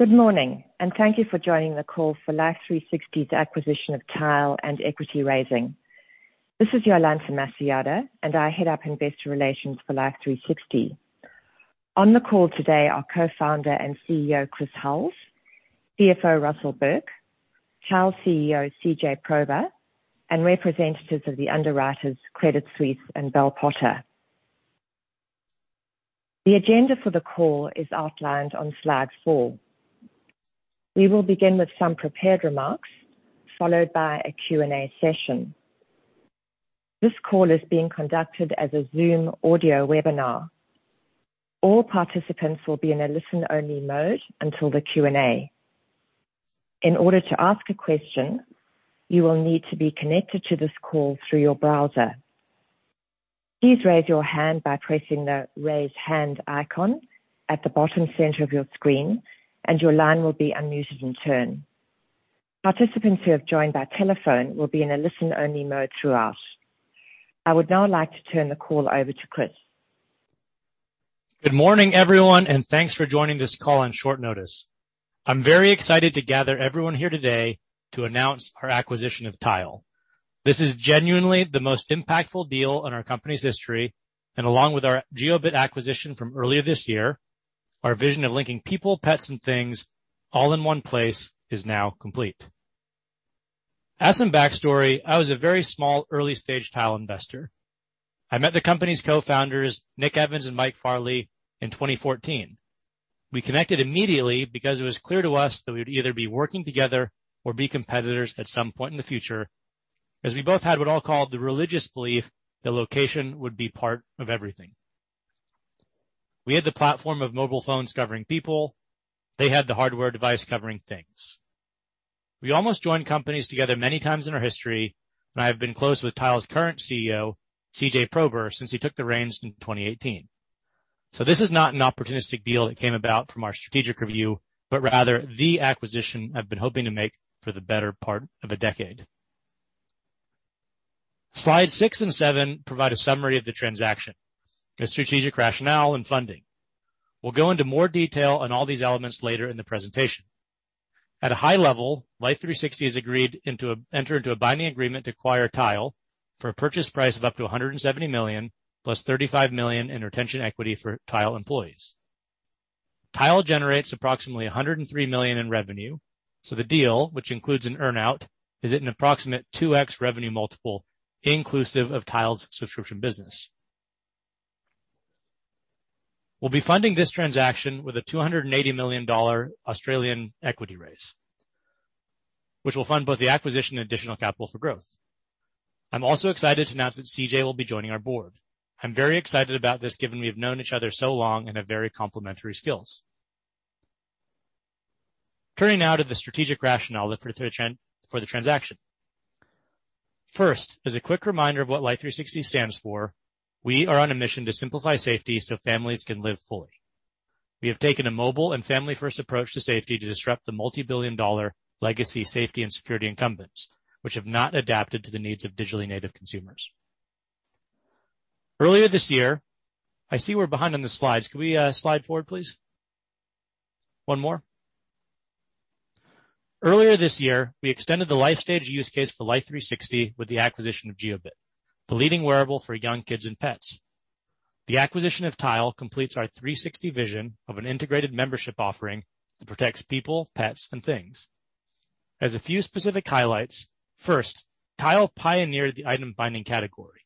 Good morning, and thank you for joining the call for Life360's acquisition of Tile and equity raising. This is Jolanta Masojada, and I head up Investor Relations for Life360. On the call today are Co-founder and CEO Chris Hulls, CFO Russell Burke, Tile CEO CJ Prober, and representatives of the underwriters Credit Suisse and Bell Potter. The agenda for the call is outlined on slide four. We will begin with some prepared remarks, followed by a Q&A session. This call is being conducted as a Zoom audio webinar. All participants will be in a listen-only mode until the Q&A. In order to ask a question, you will need to be connected to this call through your browser. Please raise your hand by pressing the Raise Hand icon at the bottom center of your screen, and your line will be unmuted in turn. Participants who have joined by telephone will be in a listen-only mode throughout. I would now like to turn the call over to Chris. Good morning, everyone, and thanks for joining this call on short notice. I'm very excited to gather everyone here today to announce our acquisition of Tile. This is genuinely the most impactful deal in our company's history, and along with our Jiobit acquisition from earlier this year, our vision of linking people, pets, and things all in one place is now complete. As some backstory, I was a very small early-stage Tile investor. I met the company's co-founders, Nick Evans and Mike Farley, in 2014. We connected immediately because it was clear to us that we would either be working together or be competitors at some point in the future, as we both had what I'll call the religious belief that location would be part of everything. We had the platform of mobile phones covering people. They had the hardware device covering things. We almost joined companies together many times in our history, and I have been close with Tile's current CEO, CJ Prober, since he took the reins in 2018. This is not an opportunistic deal that came about from our strategic review, but rather the acquisition I've been hoping to make for the better part of a decade. Slide six and seven provide a summary of the transaction, the strategic rationale and funding. We'll go into more detail on all these elements later in the presentation. At a high level, Life360 has entered into a binding agreement to acquire Tile for a purchase price of up to $170 million+$35 million in retention equity for Tile employees. Tile generates approximately $103 million in revenue, so the deal, which includes an earn-out, is at an approximate 2x revenue multiple inclusive of Tile's subscription business. We'll be funding this transaction with an 280 million Australian dollars Australian equity raise, which will fund both the acquisition and additional capital for growth. I'm also excited to announce that CJ will be joining our board. I'm very excited about this, given we have known each other so long and have very complementary skills. Turning now to the strategic rationale for the transaction. First, as a quick reminder of what Life360 stands for, we are on a mission to simplify safety so families can live fully. We have taken a mobile and family-first approach to safety to disrupt the multi-billion dollar legacy safety and security incumbents, which have not adapted to the needs of digitally native consumers. Earlier this year, we extended the life stage use case for Life360 with the acquisition of Jiobit, the leading wearable for young kids and pets. The acquisition of Tile completes our 360 vision of an integrated membership offering that protects people, pets, and things. As a few specific highlights, first, Tile pioneered the item finding category.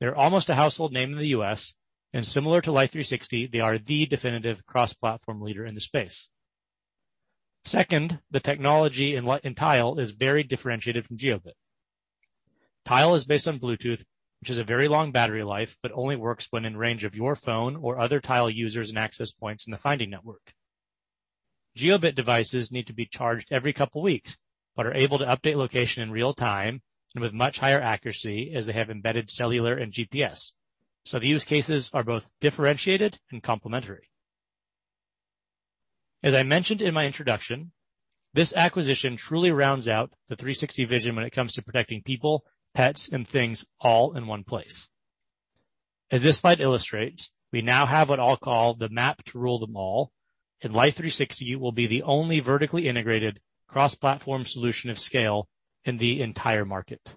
They're almost a household name in the U.S., and similar to Life360, they are the definitive cross-platform leader in the space. Second, the technology in Tile is very differentiated from Jiobit. Tile is based on Bluetooth, which has a very long battery life, but only works when in range of your phone or other Tile users and access points in the finding network. Jiobit devices need to be charged every couple weeks, but are able to update location in real time and with much higher accuracy as they have embedded cellular and GPS. The use cases are both differentiated and complementary. As I mentioned in my introduction, this acquisition truly rounds out the 360 vision when it comes to protecting people, pets, and things all in one place. As this slide illustrates, we now have what I'll call the map to rule them all, and Life360 will be the only vertically integrated cross-platform solution of scale in the entire market.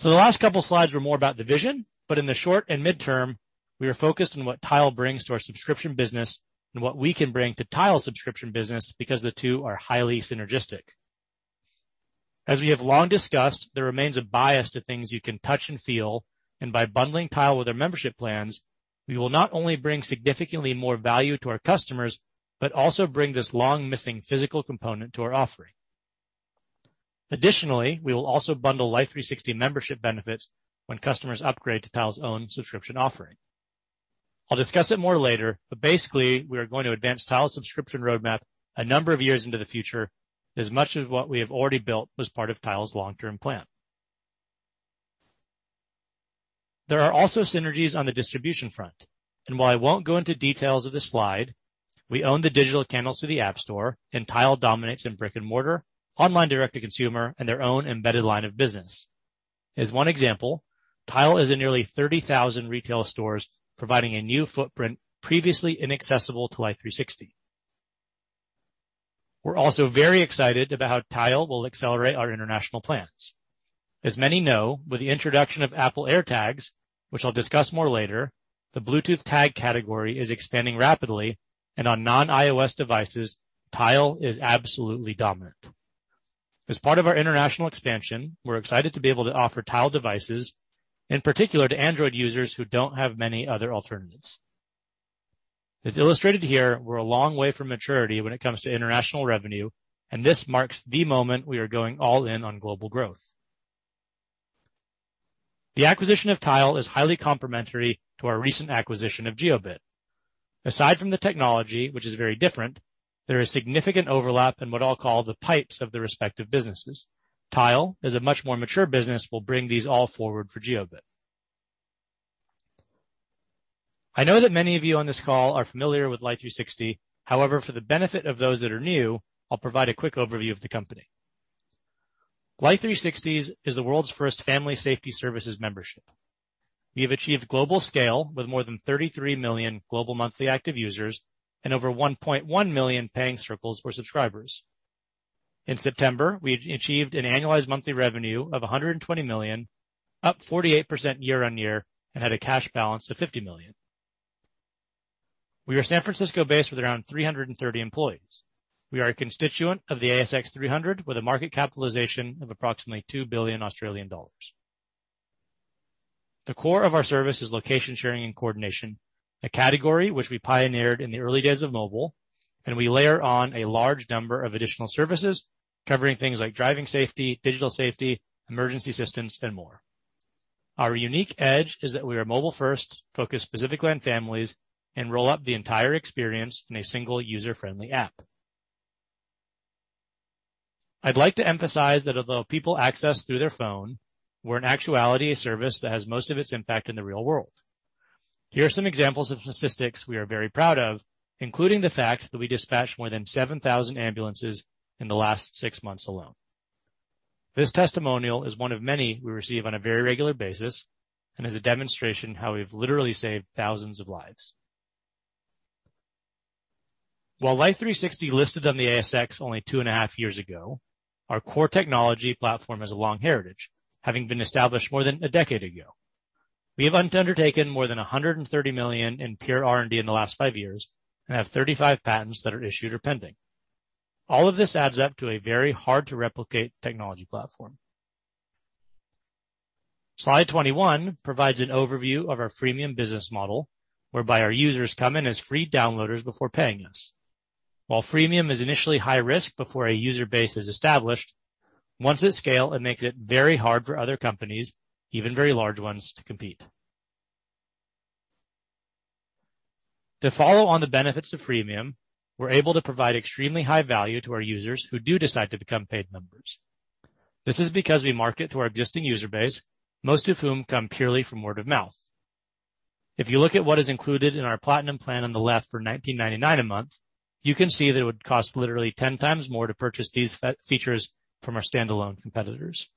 The last couple slides were more about the vision, but in the short and midterm, we are focused on what Tile brings to our subscription business and what we can bring to Tile's subscription business because the two are highly synergistic. As we have long discussed, there remains a bias to things you can touch and feel, and by bundling Tile with our membership plans, we will not only bring significantly more value to our customers, but also bring this long-missing physical component to our offering. Additionally, we will also bundle Life360 membership benefits when customers upgrade to Tile's own subscription offering. I'll discuss it more later, but basically, we are going to advance Tile's subscription roadmap a number of years into the future, as much of what we have already built was part of Tile's long-term plan. There are also synergies on the distribution front, and while I won't go into details of this slide, we own the digital channels through the App Store, and Tile dominates in brick-and-mortar, online direct-to-consumer, and their own embedded line of business. As one example, Tile is in nearly 30,000 retail stores, providing a new footprint previously inaccessible to Life360. We're also very excited about how Tile will accelerate our international plans. As many know, with the introduction of Apple AirTag, which I'll discuss more later, the Bluetooth tag category is expanding rapidly. On non-iOS devices, Tile is absolutely dominant. As part of our international expansion, we're excited to be able to offer Tile devices, in particular to Android users who don't have many other alternatives. As illustrated here, we're a long way from maturity when it comes to international revenue, and this marks the moment we are going all in on global growth. The acquisition of Tile is highly complementary to our recent acquisition of Jiobit. Aside from the technology, which is very different, there is significant overlap in what I'll call the pipes of the respective businesses. Tile is a much more mature business, will bring these all forward for Jiobit. I know that many of you on this call are familiar with Life360. However, for the benefit of those that are new, I'll provide a quick overview of the company. Life360 is the world's first family safety services membership. We have achieved global scale with more than 33 million global monthly active users and over 1.1 million paying circles or subscribers. In September, we achieved an annualized monthly revenue of $120 million, up 48% year-on-year, and had a cash balance of $50 million. We are San Francisco-based with around 330 employees. We are a constituent of the S&P/ASX 300 with a market capitalization of approximately 2 billion Australian dollars. The core of our service is location sharing and coordination, a category which we pioneered in the early days of mobile, and we layer on a large number of additional services covering things like driving safety, digital safety, emergency systems, and more. Our unique edge is that we are mobile first, focused specifically on families, and roll up the entire experience in a single user-friendly app. I'd like to emphasize that although people access through their phone, we're in actuality a service that has most of its impact in the real world. Here are some examples of statistics we are very proud of, including the fact that we dispatched more than 7,000 ambulances in the last six months alone. This testimonial is one of many we receive on a very regular basis and is a demonstration how we've literally saved thousands of lives. While Life360 listed on the ASX only two and a half years ago, our core technology platform has a long heritage, having been established more than a decade ago. We have undertaken more than $130 million in pure R&D in the last five years and have 35 patents that are issued or pending. All of this adds up to a very hard-to-replicate technology platform. Slide 21 provides an overview of our freemium business model, whereby our users come in as free downloaders before paying us. While freemium is initially high risk before a user base is established, once it scales, it makes it very hard for other companies, even very large ones, to compete. To follow on the benefits of freemium, we're able to provide extremely high value to our users who do decide to become paid members. This is because we market to our existing user base, most of whom come purely from word of mouth. If you look at what is included in our Platinum plan on the left for $19.99 a month, you can see that it would cost literally 10x more to purchase these features from our standalone competitors.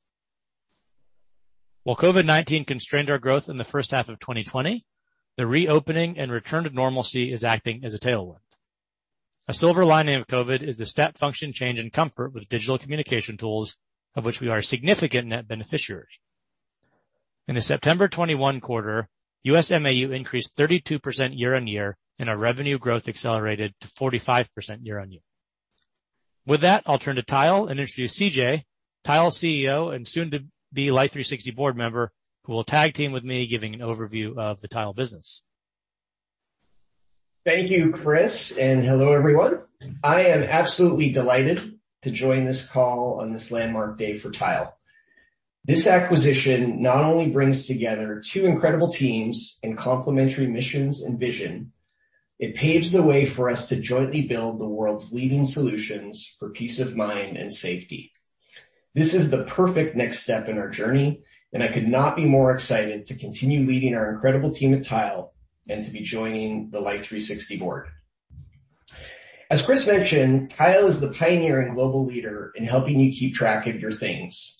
While COVID-19 constrained our growth in the first half of 2020, the reopening and return to normalcy is acting as a tailwind. A silver lining of COVID is the step function change in comfort with digital communication tools, of which we are significant net beneficiaries. In the September 2021 quarter, U.S. MAU increased 32% year-over-year, and our revenue growth accelerated to 45% year-over-year. With that, I'll turn to Tile and introduce CJ Prober, Tile CEO and soon-to-be Life360 board member, who will tag team with me giving an overview of the Tile business. Thank you, Chris, and hello everyone. I am absolutely delighted to join this call on this landmark day for Tile. This acquisition not only brings together two incredible teams and complementary missions and vision, it paves the way for us to jointly build the world's leading solutions for peace of mind and safety. This is the perfect next step in our journey, and I could not be more excited to continue leading our incredible team at Tile and to be joining the Life360 board. As Chris mentioned, Tile is the pioneering global leader in helping you keep track of your things.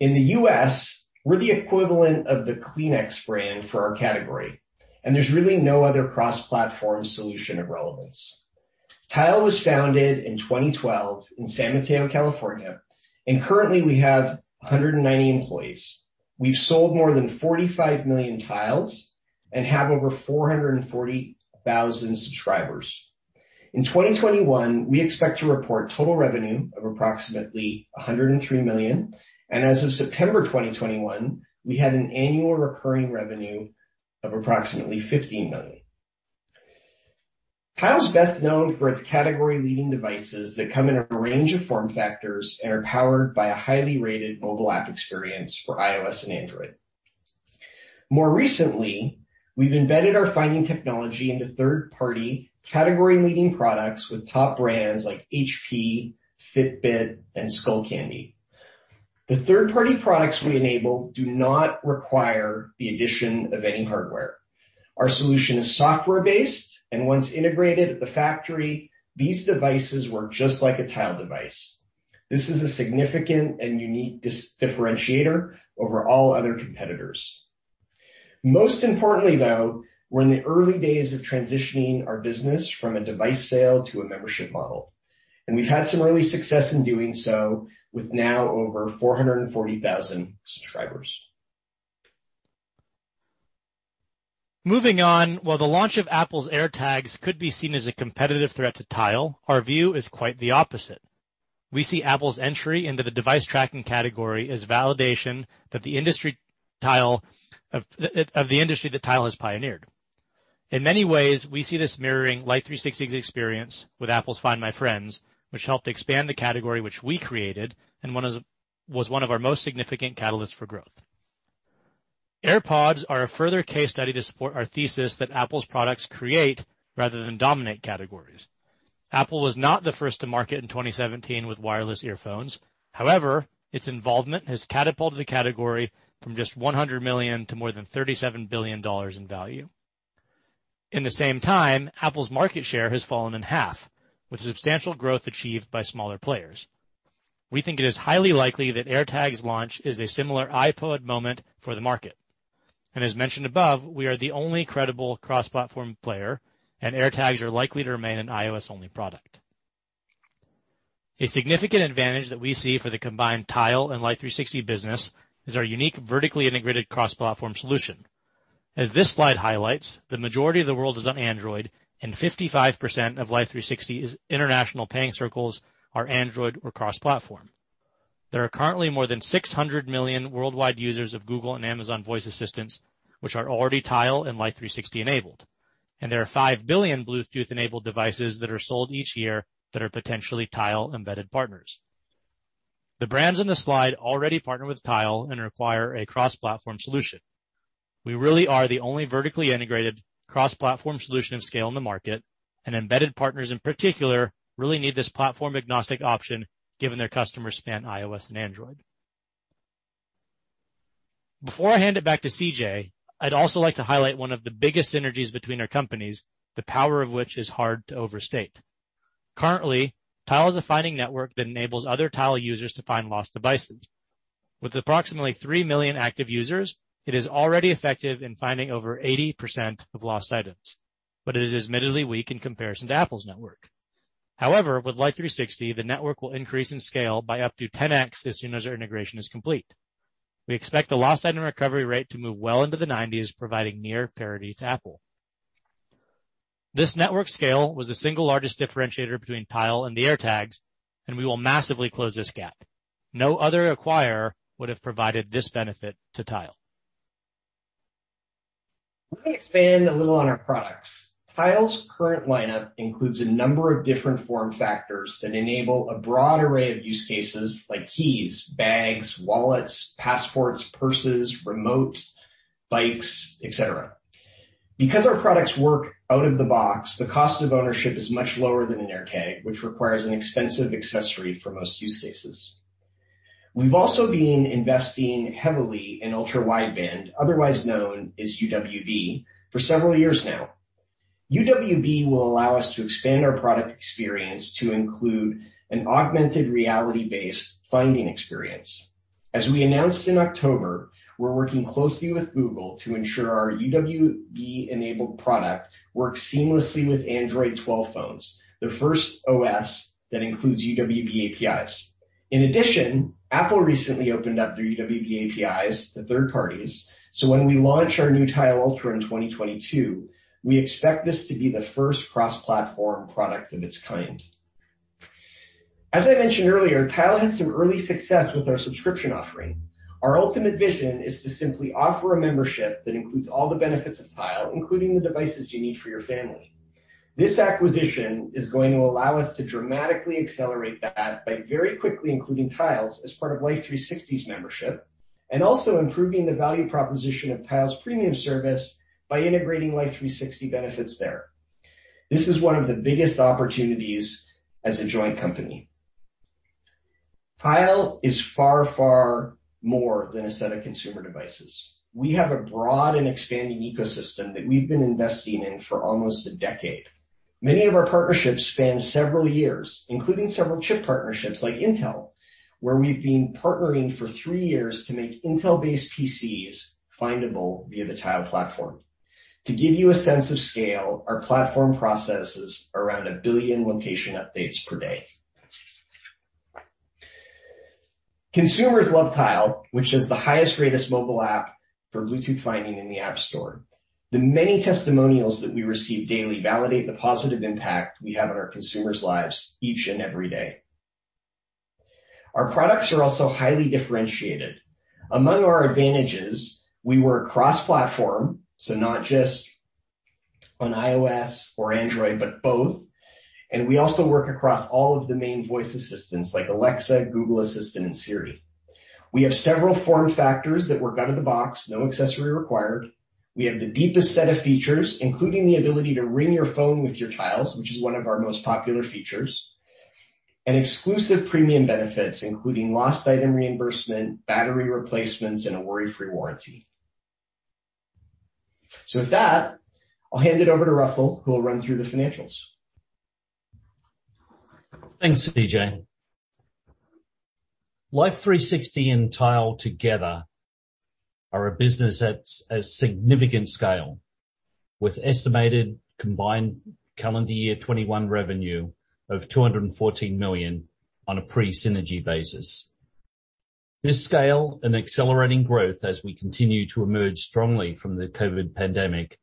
In the U.S., we're the equivalent of the Kleenex brand for our category, and there's really no other cross-platform solution of relevance. Tile was founded in 2012 in San Mateo, California, and currently we have 190 employees. We've sold more than 45 million Tiles and have over 440,000 subscribers. In 2021, we expect to report total revenue of approximately $103 million. As of September 2021, we had an annual recurring revenue of approximately $15 million. Tile is best known for its category-leading devices that come in a range of form factors and are powered by a highly rated mobile app experience for iOS and Android. More recently, we've embedded our finding technology into third-party category-leading products with top brands like HP, Fitbit, and Skullcandy. The third-party products we enable do not require the addition of any hardware. Our solution is software-based, and once integrated at the factory, these devices work just like a Tile device. This is a significant and unique differentiator over all other competitors. Most importantly, though, we're in the early days of transitioning our business from a device sale to a membership model, and we've had some early success in doing so with now over 440,000 subscribers. Moving on, while the launch of Apple's AirTag could be seen as a competitive threat to Tile, our view is quite the opposite. We see Apple's entry into the device tracking category as validation of the industry that Tile has pioneered. In many ways, we see this mirroring Life360's experience with Apple's Find My Friends, which helped expand the category which we created and was one of our most significant catalysts for growth. AirPods are a further case study to support our thesis that Apple's products create rather than dominate categories. Apple was not the first to market in 2017 with wireless earphones. However, its involvement has catapulted the category from just $100 million to more than $37 billion in value. In the same time, Apple's market share has fallen in half, with substantial growth achieved by smaller players. We think it is highly likely that AirTag's launch is a similar iPod moment for the market. As mentioned above, we are the only credible cross-platform player, and AirTag are likely to remain an iOS-only product. A significant advantage that we see for the combined Tile and Life360 business is our unique vertically integrated cross-platform solution. As this slide highlights, the majority of the world is on Android, and 55% of Life360's international paying circles are Android or cross-platform. There are currently more than 600 million worldwide users of Google and Amazon voice assistants, which are already Tile and Life360 enabled. There are 5 billion Bluetooth-enabled devices that are sold each year that are potentially Tile-embedded partners. The brands on this slide already partner with Tile and require a cross-platform solution. We really are the only vertically integrated cross-platform solution of scale in the market, and embedded partners in particular really need this platform-agnostic option given their customers span iOS and Android. Before I hand it back to CJ, I'd also like to highlight one of the biggest synergies between our companies, the power of which is hard to overstate. Currently, Tile is a finding network that enables other Tile users to find lost devices. With approximately 3 million active users, it is already effective in finding over 80% of lost items, but it is admittedly weak in comparison to Apple's network. However, with Life360, the network will increase in scale by up to 10x as soon as our integration is complete. We expect the loss item recovery rate to move well into the 90s, providing near parity to Apple. This network scale was the single largest differentiator between Tile and the AirTag, and we will massively close this gap. No other acquirer would have provided this benefit to Tile. Let me expand a little on our products. Tile's current lineup includes a number of different form factors that enable a broad array of use cases like keys, bags, wallets, passports, purses, remotes, bikes, et cetera. Because our products work out of the box, the cost of ownership is much lower than an AirTag, which requires an expensive accessory for most use cases. We've also been investing heavily in ultra-wideband, otherwise known as UWB, for several years now. UWB will allow us to expand our product experience to include an augmented reality-based finding experience. As we announced in October, we're working closely with Google to ensure our UWB-enabled product works seamlessly with Android 12 phones, the first OS that includes UWB APIs. In addition, Apple recently opened up their UWB APIs to third parties, so when we launch our new Tile Ultra in 2022, we expect this to be the first cross-platform product of its kind. As I mentioned earlier, Tile has some early success with our subscription offering. Our ultimate vision is to simply offer a membership that includes all the benefits of Tile, including the devices you need for your family. This acquisition is going to allow us to dramatically accelerate that by very quickly including Tiles as part of Life360's membership and also improving the value proposition of Tile's premium service by integrating Life360 benefits there. This is one of the biggest opportunities as a joint company. Tile is far, far more than a set of consumer devices. We have a broad and expanding ecosystem that we've been investing in for almost a decade. Many of our partnerships span several years, including several chip partnerships like Intel, where we've been partnering for three years to make Intel-based PCs findable via the Tile platform. To give you a sense of scale, our platform processes around a billion location updates per day. Consumers love Tile, which is the highest-rated mobile app for Bluetooth finding in the App Store. The many testimonials that we receive daily validate the positive impact we have on our consumers' lives each and every day. Our products are also highly differentiated. Among our advantages, we work cross-platform, so not just on iOS or Android, but both. We also work across all of the main voice assistants like Alexa, Google Assistant, and Siri. We have several form factors that work out of the box, no accessory required. We have the deepest set of features, including the ability to ring your phone with your Tiles, which is one of our most popular features. Exclusive premium benefits, including lost item reimbursement, battery replacements, and a worry-free warranty. With that, I'll hand it over to Russell, who will run through the financials. Thanks, CJ. Life360 and Tile together are a business at significant scale, with estimated combined calendar year 2021 revenue of $214 million on a pre-synergy basis. This scale and accelerating growth as we continue to emerge strongly from the COVID pandemic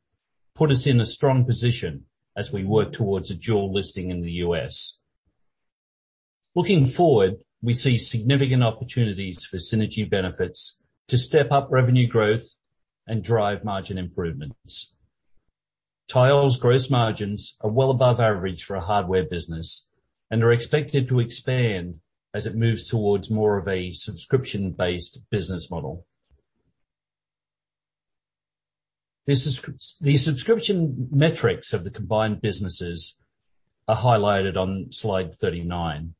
put us in a strong position as we work towards a dual listing in the U.S. Looking forward, we see significant opportunities for synergy benefits to step up revenue growth and drive margin improvements. Tile's gross margins are well above average for a hardware business and are expected to expand as it moves towards more of a subscription-based business model. The subscription metrics of the combined businesses are highlighted on slide 39.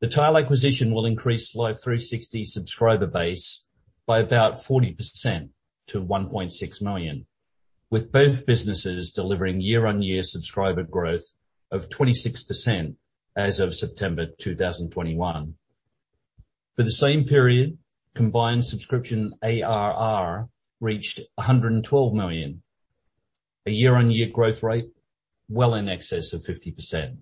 The Tile acquisition will increase Life360 subscriber base by about 40% to 1.6 million, with both businesses delivering year-on-year subscriber growth of 26% as of September 2021. For the same period, combined subscription ARR reached $112 million, a year-on-year growth rate well in excess of 50%.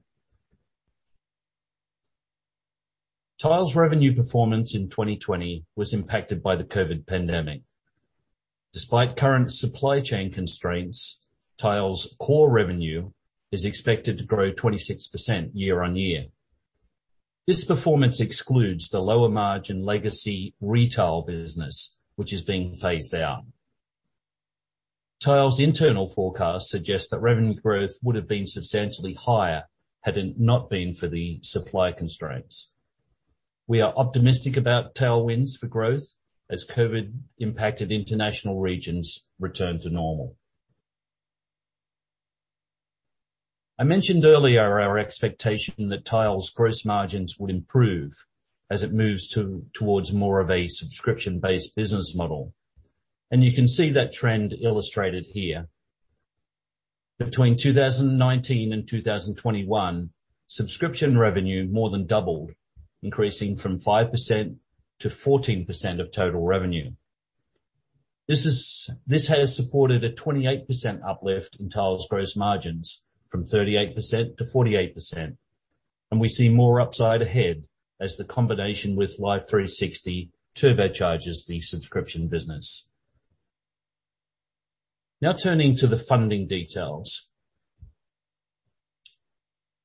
Tile's revenue performance in 2020 was impacted by the COVID pandemic. Despite current supply chain constraints, Tile's core revenue is expected to grow 26% year-on-year. This performance excludes the lower margin legacy retail business, which is being phased out. Tile's internal forecast suggests that revenue growth would have been substantially higher had it not been for the supply constraints. We are optimistic about tailwinds for growth as COVID-impacted international regions return to normal. I mentioned earlier our expectation that Tile's gross margins would improve as it moves towards more of a subscription-based business model, and you can see that trend illustrated here. Between 2019 and 2021, subscription revenue more than doubled, increasing from 5%-14% of total revenue. This has supported a 28% uplift in Tile's gross margins from 38%-48%. We see more upside ahead as the combination with Life360 turbocharges the subscription business. Now turning to the funding details.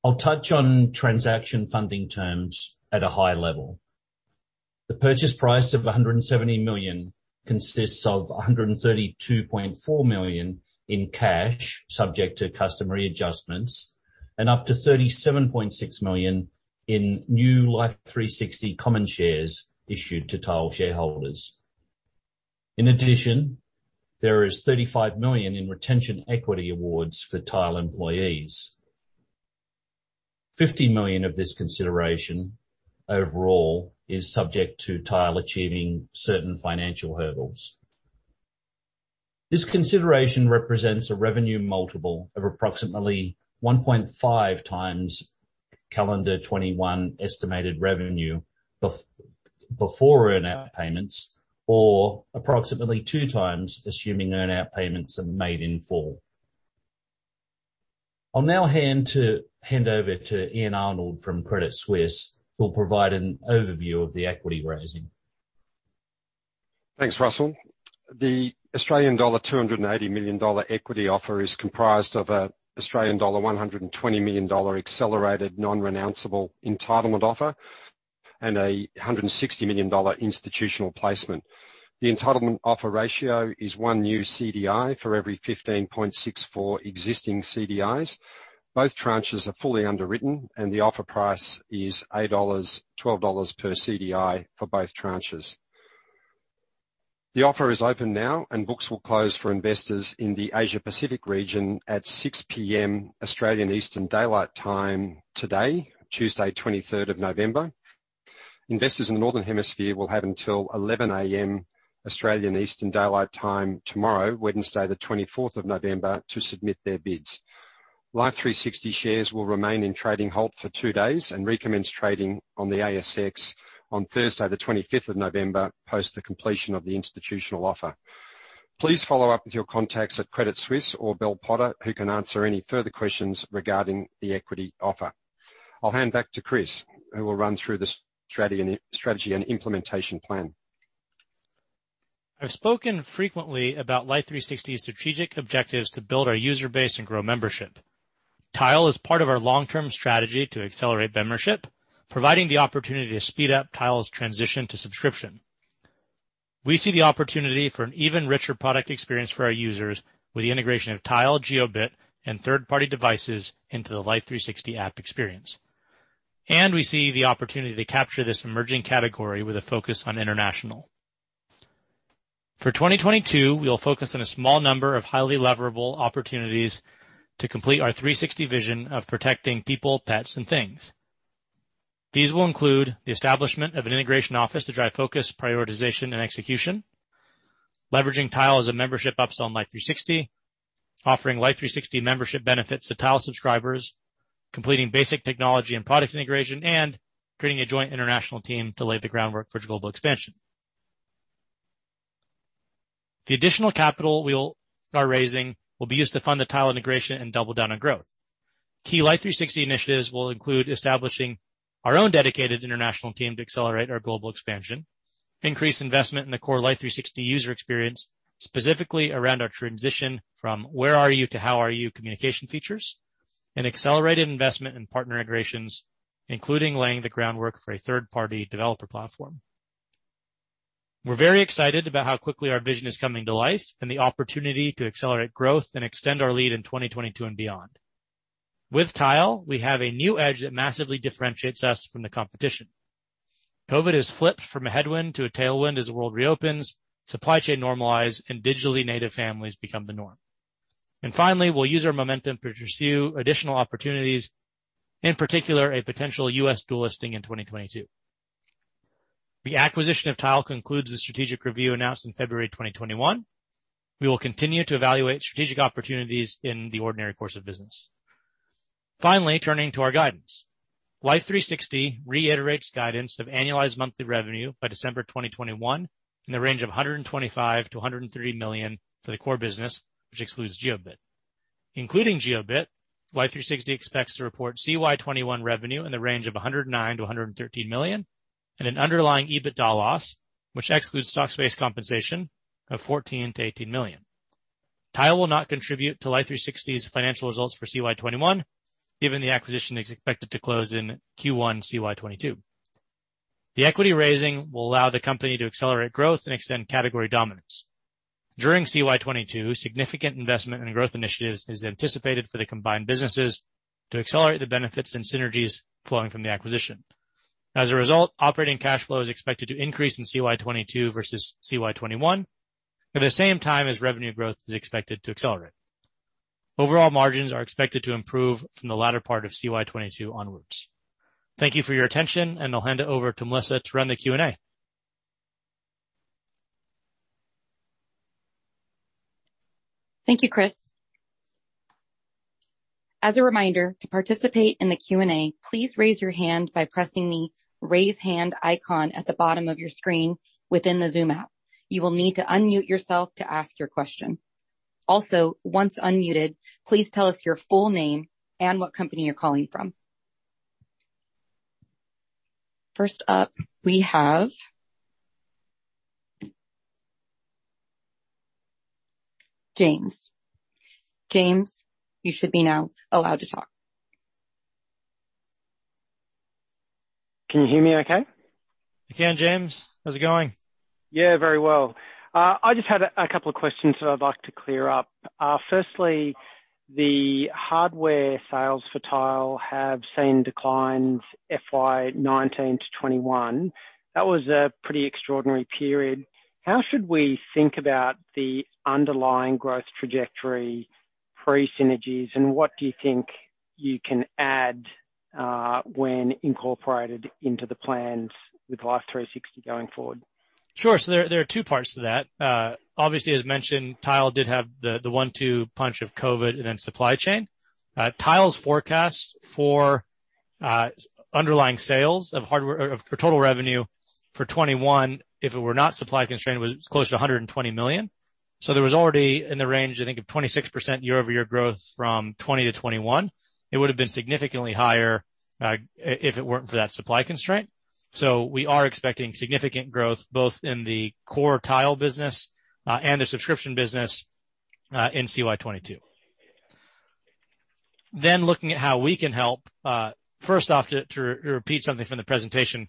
I'll touch on transaction funding terms at a high level. The purchase price of $170 million consists of $132.4 million in cash, subject to customary adjustments, and up to $37.6 million in new Life360 common shares issued to Tile shareholders. In addition, there is $35 million in retention equity awards for Tile employees. $50 million of this consideration overall is subject to Tile achieving certain financial hurdles. This consideration represents a revenue multiple of approximately 1.5x calendar 2021 estimated revenue before earn-out payments, or approximately 2x assuming earn-out payments are made in full. I'll now hand over to Ian Arnold from Credit Suisse, who'll provide an overview of the equity raising. Thanks, Russell. The Australian dollar 280 million equity offer is comprised of an Australian dollar 120 million accelerated non-renounceable entitlement offer and a 160 million dollar institutional placement. The entitlement offer ratio is one new CDI for every 15.64 existing CDIs. Both tranches are fully underwritten, and the offer price is 8.12 dollars per CDI for both tranches. The offer is open now, and books will close for investors in the Asia Pacific region at 6:00 P.M. Australian Eastern daylight time today, Tuesday, 23rd of November. Investors in the Northern Hemisphere will have until 11:00 A.M. Australian Eastern daylight time tomorrow, Wednesday, the 24th of November, to submit their bids. Life360 shares will remain in trading halt for two days and recommence trading on the ASX on Thursday, the twenty-fifth of November, post the completion of the institutional offer. Please follow up with your contacts at Credit Suisse or Bell Potter, who can answer any further questions regarding the equity offer. I'll hand back to Chris, who will run through the strategy and implementation plan. I've spoken frequently about Life360's strategic objectives to build our user base and grow membership. Tile is part of our long-term strategy to accelerate membership, providing the opportunity to speed up Tile's transition to subscription. We see the opportunity for an even richer product experience for our users with the integration of Tile, Jiobit, and third-party devices into the Life360 app experience. We see the opportunity to capture this emerging category with a focus on international. For 2022, we'll focus on a small number of highly leverable opportunities to complete our three-sixty vision of protecting people, pets and things. These will include the establishment of an integration office to drive focus, prioritization and execution, leveraging Tile as a membership upsell in Life360, offering Life360 membership benefits to Tile subscribers, completing basic technology and product integration, and creating a joint international team to lay the groundwork for global expansion. The additional capital we are raising will be used to fund the Tile integration and double down on growth. Key Life360 initiatives will include establishing our own dedicated international team to accelerate our global expansion, increase investment in the core Life360 user experience, specifically around our transition from where are you to how are you communication features, and accelerated investment in partner integrations, including laying the groundwork for a third-party developer platform. We're very excited about how quickly our vision is coming to life and the opportunity to accelerate growth and extend our lead in 2022 and beyond. With Tile, we have a new edge that massively differentiates us from the competition. COVID has flipped from a headwind to a tailwind as the world reopens, supply chains normalize and digitally native families become the norm. Finally, we'll use our momentum to pursue additional opportunities, in particular, a potential U.S. dual listing in 2022. The acquisition of Tile concludes the strategic review announced in February 2021. We will continue to evaluate strategic opportunities in the ordinary course of business. Finally, turning to our guidance. Life360 reiterates guidance of annualized monthly revenue by December 2021 in the range of $125 million-$130 million for the core business, which excludes Jiobit. Including Jiobit, Life360 expects to report CY 2021 revenue in the range of $109 million-$113 million, and an underlying EBITDA loss, which excludes stock-based compensation of $14 million-$18 million. Tile will not contribute to Life360's financial results for CY 2021, given the acquisition is expected to close in Q1 CY 2022. The equity raising will allow the company to accelerate growth and extend category dominance. During CY 2022, significant investment in growth initiatives is anticipated for the combined businesses to accelerate the benefits and synergies flowing from the acquisition. As a result, operating cash flow is expected to increase in CY 2022 versus CY 2021 at the same time as revenue growth is expected to accelerate. Overall margins are expected to improve from the latter part of CY 2022 onwards. Thank you for your attention, and I'll hand it over to Melissa to run the Q&A. Thank you, Chris. As a reminder, to participate in the Q&A, please raise your hand by pressing the Raise Hand icon at the bottom of your screen within the Zoom app. You will need to unmute yourself to ask your question. Also, once unmuted, please tell us your full name and what company you're calling from. First up, we have James. James, you should be now allowed to talk. Can you hear me okay? I can, James. How's it going? Yeah, very well. I just had a couple of questions that I'd like to clear up. Firstly, the hardware sales for Tile have seen declines FY 2019-2021. That was a pretty extraordinary period. How should we think about the underlying growth trajectory pre-synergies, and what do you think you can add when incorporated into the plans with Life360 going forward? There are two parts to that. Obviously, as mentioned, Tile did have the one-two punch of COVID and then supply chain. Tile's forecast for underlying sales of hardware of total revenue for 2021, if it were not supply constrained, was close to $120 million. There was already in the range, I think, of 26% year-over-year growth from 2020-2021. It would have been significantly higher if it weren't for that supply constraint. We are expecting significant growth both in the core Tile business and the subscription business in CY 2022. Looking at how we can help, first off, to repeat something from the presentation,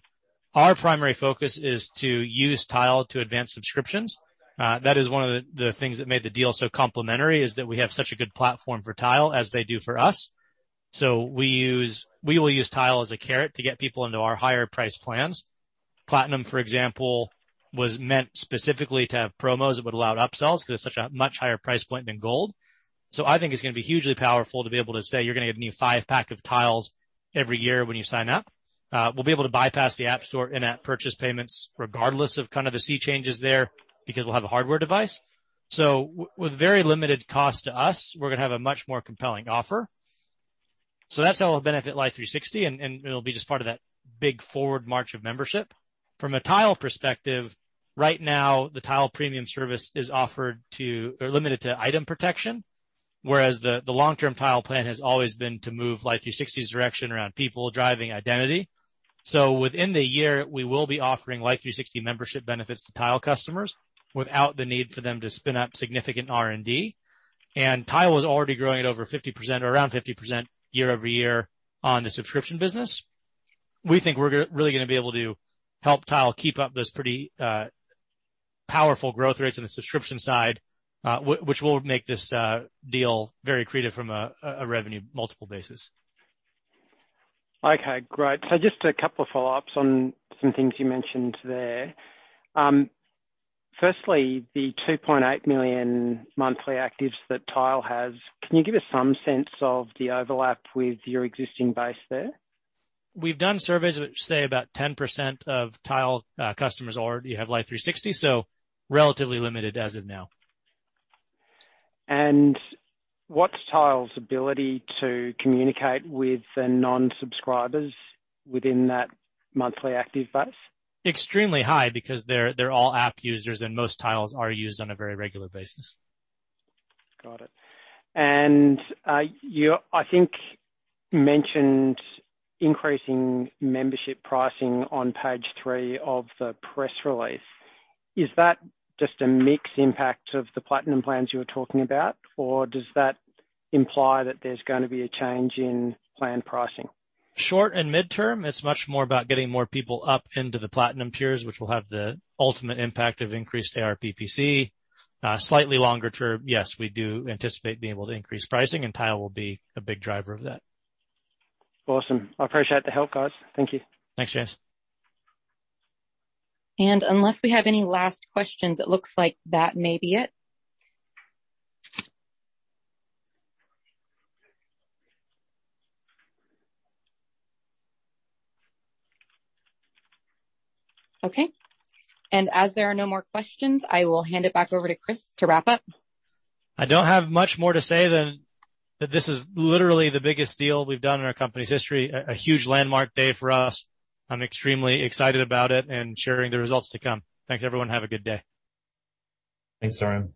our primary focus is to use Tile to advance subscriptions. That is one of the things that made the deal so complementary, is that we have such a good platform for Tile as they do for us. We will use Tile as a carrot to get people into our higher priced plans. Platinum, for example, was meant specifically to have promos that would allow upsells because it's such a much higher price point than Gold. I think it's gonna be hugely powerful to be able to say, "You're gonna get a new five-pack of Tiles every year when you sign up." We'll be able to bypass the App Store in-app purchase payments regardless of kind of the sea changes there because we'll have a hardware device. With very limited cost to us, we're gonna have a much more compelling offer. That's how it'll benefit Life360, and it'll be just part of that big forward march of membership. From a Tile perspective, right now, the Tile Premium service is offered or limited to item protection, whereas the long-term Tile plan has always been to move Life360's direction around people driving identity. Within the year, we will be offering Life360 membership benefits to Tile customers without the need for them to spin up significant R&D. Tile was already growing at over 50% or around 50% year-over-year on the subscription business. We think we're really gonna be able to help Tile keep up those pretty powerful growth rates on the subscription side, which will make this deal very accretive from a revenue multiple basis. Okay, great. Just a couple of follow-ups on some things you mentioned there. Firstly, the 2.8 million monthly actives that Tile has. Can you give us some sense of the overlap with your existing base there? We've done surveys which say about 10% of Tile customers already have Life360, so relatively limited as of now. What's Tile's ability to communicate with the non-subscribers within that monthly active base? Extremely high because they're all app users, and most Tiles are used on a very regular basis. Got it. You, I think, mentioned increasing membership pricing on page three of the press release. Is that just a mixed impact of the Platinum plans you were talking about, or does that imply that there's gonna be a change in plan pricing? Short and mid-term, it's much more about getting more people up into the Platinum tiers, which will have the ultimate impact of increased ARPPC. Slightly longer term, yes, we do anticipate being able to increase pricing, and Tile will be a big driver of that. Awesome. I appreciate the help, guys. Thank you. Thanks, James. Unless we have any last questions, it looks like that may be it. Okay. As there are no more questions, I will hand it back over to Chris to wrap up. I don't have much more to say than that this is literally the biggest deal we've done in our company's history. A huge landmark day for us. I'm extremely excited about it and sharing the results to come. Thanks, everyone. Have a good day. Thanks, Orion.